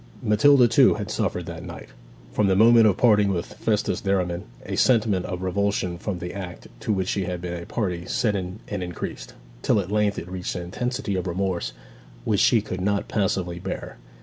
Matilda, too, had suffered that night. From the moment of parting with Festus Derriman a sentiment of revulsion from the act to which she had been a party set in and increased, till at length it reached an intensity of remorse which she could not passively bear.